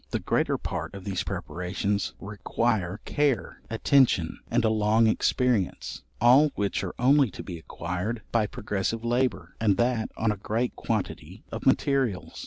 The greater part of these preparations require care, attention, and a long experience; all which are only to be acquired by progressive labour, and that on a great quantity of materials.